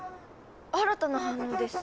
新たな反応です。